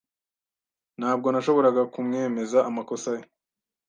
Ntabwo nashoboraga kumwemeza amakosa ye.